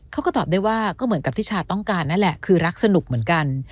เขาก็ตอบได้ว่าก็เหมือนกับที่ชาต้องการนั่นแหละคือรักสนุกเหมือนกัน